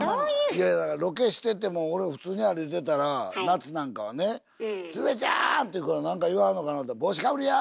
いやだからロケしてても俺普通に歩いてたら夏なんかはね「鶴瓶ちゃん！」って言うからなんか言わはるのかなと「帽子かぶりや！」